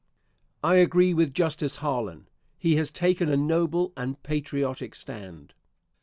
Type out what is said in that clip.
I agree with Justice Harlan. He has taken a noble and patriotic stand.